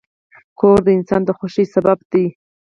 کور د انسان د خوښۍ سبب دی.